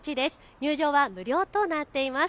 入場は無料となっています。